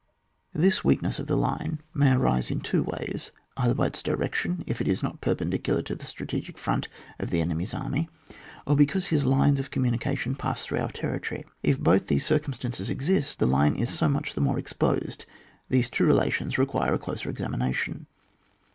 This weakness of the line may arise in two ways — either by its direction, if it is not perpendicular to the strategic front of the enemy's army, or because his lines of communication pass through our ter ritory ; if both these circumstances exist, the line is so much the more exposed. These two relations require a closer exa mination.